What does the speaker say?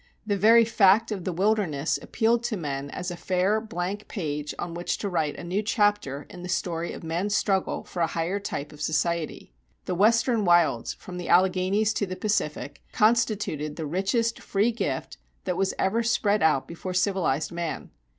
The very fact of the wilderness appealed to men as a fair, blank page on which to write a new chapter in the story of man's struggle for a higher type of society. The Western wilds, from the Alleghanies to the Pacific, constituted the richest free gift that was ever spread out before civilized man.